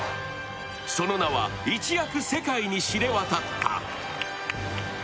その名は、一躍世界に知れ渡った。